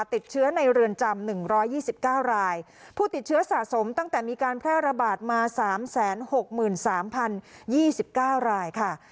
ติดเชื้อในเรือนจำ๑๒๙รายผู้ติดเชื้อสะสมตั้งแต่มีการแพร่ระบาดมา๓๖๓๐๒๙รายค่ะ